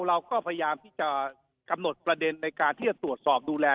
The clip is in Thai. เราก็พยายามที่จะกำหนดประเด็นในการที่จะตรวจสอบดูแล